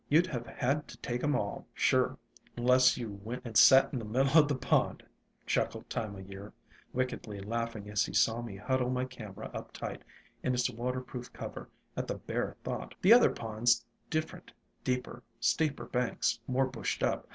You Jd have had to take 'em all, sure, 'nless you went and sat in the middle o' the pond," chuckled Time o' Year, wickedly laughing as he saw me huddle my camera up tight in its waterproof cover at the bare thought. ALONG THE WATERWAYS 47 "The other pond's different — deeper, steeper banks, more bushed up.